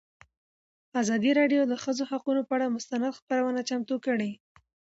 ازادي راډیو د د ښځو حقونه پر اړه مستند خپرونه چمتو کړې.